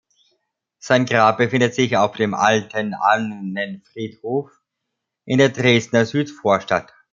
Sein Grab befindet sich auf dem Alten Annenfriedhof in der Dresdner Südvorstadt.